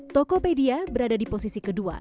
tokopedia berada di posisi kedua